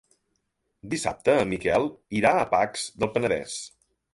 Dissabte en Miquel irà a Pacs del Penedès.